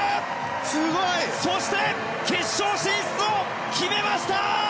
そして決勝進出を決めました！